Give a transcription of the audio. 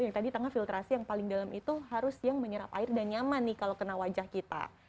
yang tadi tanggal filtrasi yang paling dalam itu harus yang menyerap air dan nyaman nih kalau kena wajah kita